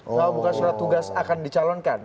oh bukan surat tugas akan dicalonkan